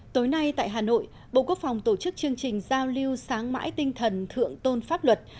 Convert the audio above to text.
tối nay tại hà nội bộ quốc phòng tổ chức chương trình giao lưu sáng mãi tinh thần thượng tôn pháp luật